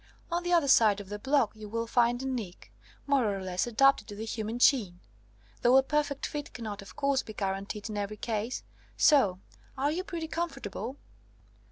On the other side of the block you will find a nick, more or less adapted to the human chin, though a perfect fit cannot, of course, be guaranteed in every case. So! Are you pretty comfortable?"